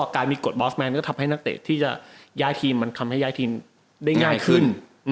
การมีกรดบอสแมนน์มันให้ย้ายทินได้ง่ายขึ้น